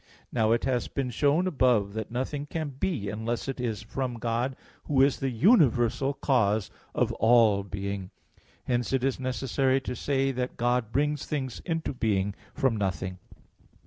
Now it has been shown above (Q. 44, AA. 1, 2), that nothing can be, unless it is from God, Who is the universal cause of all being. Hence it is necessary to say that God brings things into being from nothing.